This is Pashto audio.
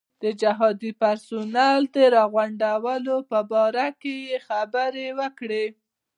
د جهادي پرسونل د راغونډولو په باره کې یې خبرې وکړې.